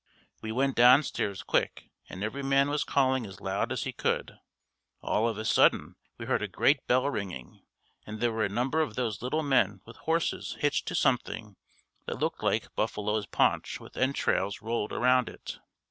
We went downstairs quick and every man was calling as loud as he could. All of a sudden we heard a great bell ringing and there were a number of those little men with horses hitched to something that looked like buffalo's paunch with entrails rolled around it.